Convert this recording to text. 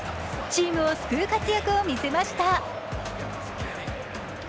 チームを救う活躍を見せました。